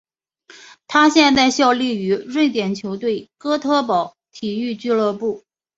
他现在效力于瑞典球队哥特堡体育俱乐部。